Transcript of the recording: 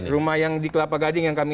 rumah yang di kelapa gading yang kami